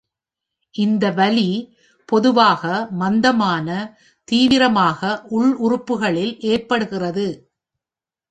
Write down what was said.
இந்த வலி பொதுவாக மந்தமான, தீவிரமாக உள் உறுப்புகளில் ஏற்படுகிறது.